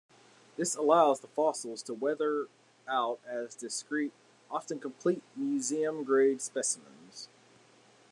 This allows the fossils to weather out as discrete, often complete museum-grade specimens.